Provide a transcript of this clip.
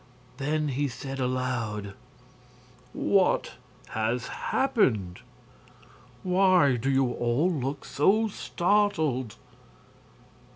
Then he said, aloud: "What has happened? Why do you all look so startled?"